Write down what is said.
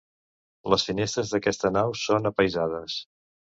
Les finestres d'aquesta nau són apaïsades.